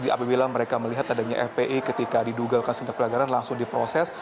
apabila mereka melihat adanya fpi ketika diduga kasus tindak pelanggaran langsung diproses